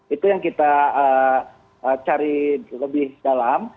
itu yang kita cari lebih dalam